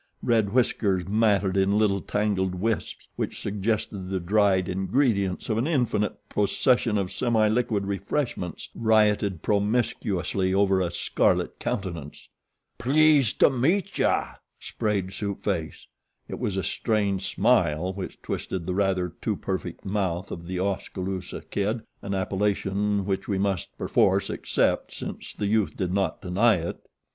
Red whiskers, matted in little tangled wisps which suggested the dried ingredients of an infinite procession of semi liquid refreshments, rioted promiscuously over a scarlet countenance. "Pleased to meetcha," sprayed Soup Face. It was a strained smile which twisted the rather too perfect mouth of The Oskaloosa Kid, an appellation which we must, perforce, accept since the youth did not deny it.